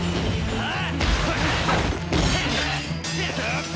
ああ。